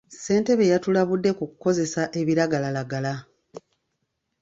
Ssentebe yatulabudde ku kukozesa ebiragalalagala.